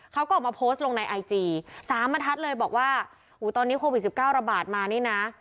เขาก็ออกมาโพสต์ลงในไอจีสามประทัดเลยบอกว่าหูตอนนี้โควิด๑๙ระบาดมานี่นะ